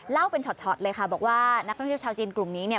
เล่าเป็นช็อตเลยค่ะบอกว่านักท่องเที่ยวชาวจีนกลุ่มนี้เนี่ย